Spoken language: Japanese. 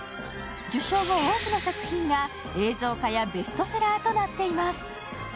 受賞後、多くの作品が映像化やベストセラーとなっています。